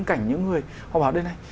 cảnh những người họ bảo đây này